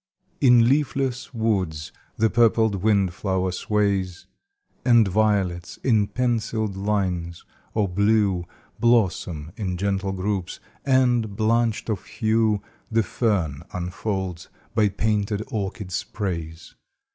In leafless woods, the purpled wind flower sways, And violets, in penciled lines, or blue, Blossom in gentle groups, and, blanched of hue, The fern unfolds, by painted orchis sprays.